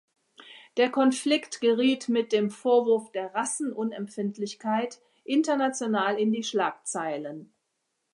Der Konflikt geriet mit dem Vorwurf der Rassenunempfindlichkeit international in die Schlagzeilen.